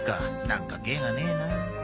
なんか芸がねえな。